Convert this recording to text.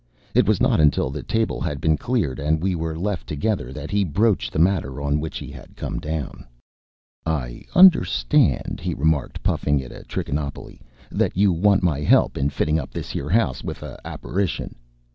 It was not until the table had been cleared and we were left together that he broached the matter on which he had come down. "I hunderstand," he remarked, puffing at a trichinopoly, "that you want my 'elp in fitting up this 'ere 'ouse with a happarition."